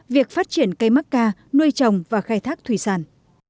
việc phát triển cây mắc ca nuôi trồng và khai thác thủy sản